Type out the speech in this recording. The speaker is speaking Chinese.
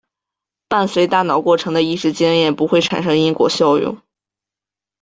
伴随大脑过程的意识经验不会产生因果效用。